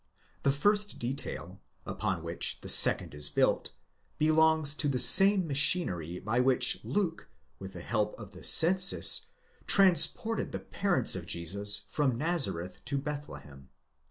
The first detail, upon which the second is built, belongs to the same machin ery by which Luke, with the help of the census, transported the parents of Jesus from Nazareth to Bethlehem.